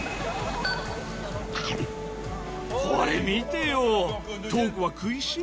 これ見てよ。